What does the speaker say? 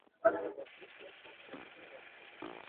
kutokana na kwa kukutwa na hatia ya kusafirisha dawa za kulevya